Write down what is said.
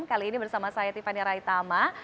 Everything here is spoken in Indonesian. kali ini bersama saya tiffany raitama